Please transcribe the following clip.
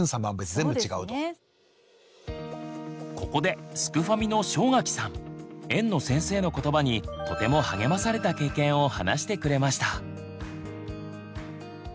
ここですくファミの正垣さん園の先生の言葉にとても励まされた経験を話してくれました。